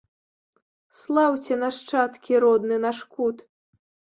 Слаўце, нашчадкі, родны наш кут!